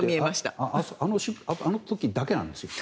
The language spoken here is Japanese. あの時だけなんですよ。